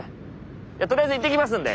とりあえず行ってきますんで！